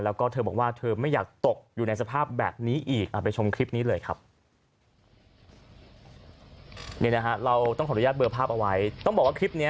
แล้วเขาบอกว่าไม่อยากตกอยู่ในสภาพแบบนี้อีก